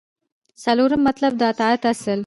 څلورم مطلب : د اطاعت اصل